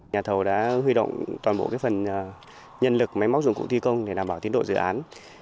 nhà thầu đã huy động toàn bộ phần nhân lực máy móc dùng cụ thi công để đảm bảo tiến độ dự án